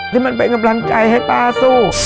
ที่มันเป็นกำลังใจให้ป้าสู้